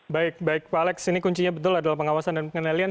baik baik pak alex ini kuncinya betul adalah pengawasan dan pengendalian